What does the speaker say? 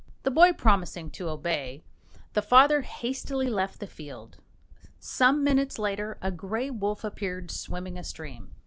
The boy promising to obey, the father hastily left the field. Some minutes later a grey wolf appeared, swimming a stream.